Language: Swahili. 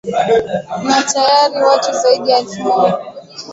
na tayari watu zaidi ya elfu moja